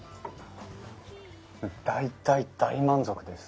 大大大満足です。